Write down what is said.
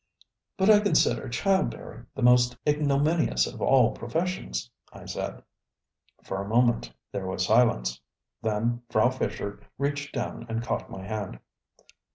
ŌĆ£But I consider child bearing the most ignominious of all professions, ŌĆØ I said. For a moment there was silence. Then Frau Fischer reached down and caught my hand.